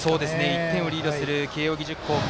１点をリードする慶応義塾高校。